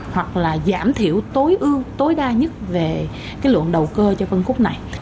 hoặc là giảm thiểu tối ưu tối đa nhất về cái lượng đầu cơ cho phân khúc này